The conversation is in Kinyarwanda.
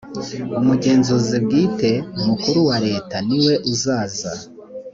umugenzuzi bwite mukuru wa leta niwe uzaza.